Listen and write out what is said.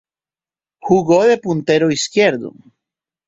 Jugó de puntero izquierdo.